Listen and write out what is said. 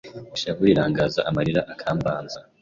ishavu riranganza amarira akambanza